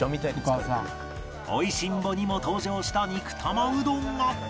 『美味しんぼ』にも登場した肉玉うどんが